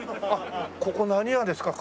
ここ何屋ですか？